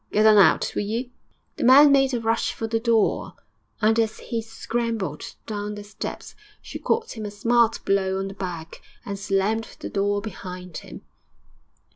Get on out, will you?' The man made a rush for the door, and as he scrambled down the steps she caught him a smart blow on the back, and slammed the door behind him.